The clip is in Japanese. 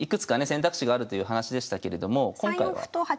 選択肢があるという話でしたけれども今回は。